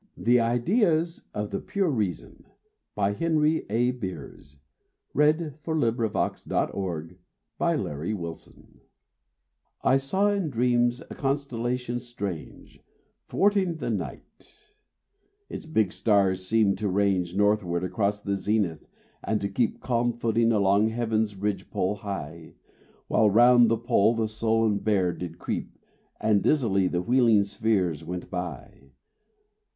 ld of spirits lies Would we but bathe us in its red sunrise. THE IDEAS OF THE PURE REASON I saw in dreams a constellation strange, Thwarting the night; its big stars seemed to range Northward across the zenith, and to keep Calm footing along heaven's ridge pole high, While round the pole the sullen Bear did creep And dizzily the wheeling spheres went by.